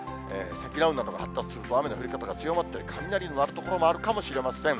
積乱雲などが発達すると、雨の降り方が強まって、雷の鳴る所もあるかもしれません。